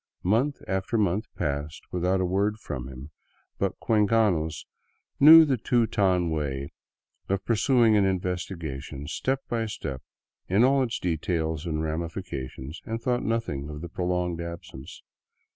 Month after month passed with out a word from him, but cuencanos knew the Teuton way of pur suing an investigation step by step in all its details and ramifications, and thought nothing of the prolonged absence.